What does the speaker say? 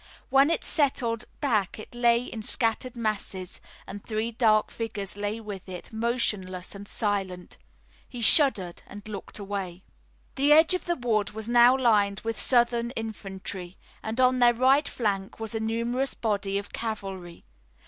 When it settled back it lay in scattered masses and three dark figures lay with it, motionless and silent. He shuddered and looked away. The edge of the wood was now lined with Southern infantry, and on their right flank was a numerous body of cavalry.